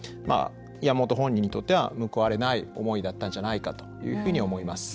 山本本人にとっては報われない思いだったんじゃないかというふうに思います。